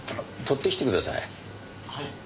取ってきてください。